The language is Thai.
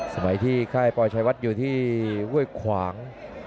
สมัยที่ค่ายปอยชายวัดอยู่ที่ห้วยขวาง